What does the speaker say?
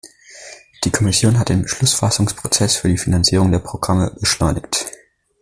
Die Kommission hat den Beschlussfassungsprozess für die Finanzierung der Programme beschleunigt.